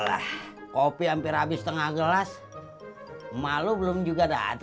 aku selalu berharap